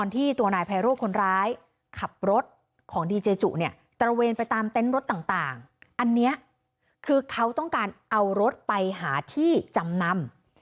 ตระเวนไปตามเต้นรถต่างอันนี้คือเขาต้องการเอารถไปหาที่จำนำ